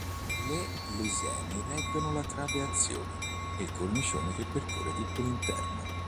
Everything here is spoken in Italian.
Le lesene reggono la trabeazione e il cornicione che percorre tutto l'interno.